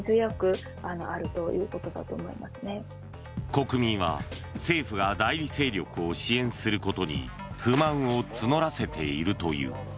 国民は、政府が代理勢力を支援することに不満を募らせているという。